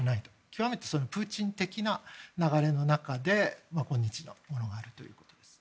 極めてプーチン的な流れの中で今日のものがあるというわけです。